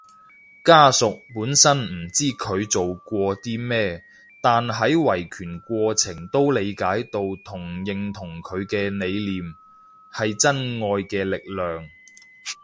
家屬本身唔知佢做過啲咩，但喺維權過程都理解到同認同佢嘅理念，係真愛嘅力量